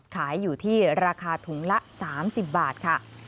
ขายอยู่ที่ราคาถุงละ๓๐บาทค่ะ